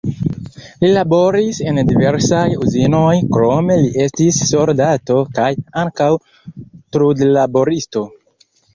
Li laboris en diversaj uzinoj, krome li estis soldato kaj ankaŭ trudlaboristo.